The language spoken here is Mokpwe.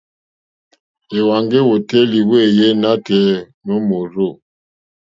Èwàŋgá èwòtélì wéèyé nǎtɛ̀ɛ̀ nǒ mòrzô.